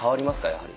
やはり。